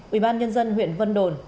ủy ban nhân dân huyện vân đồn